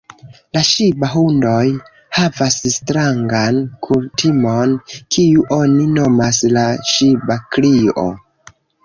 La ŝiba-hundoj havas strangan kutimon, kiu oni nomas la ŝiba-krio.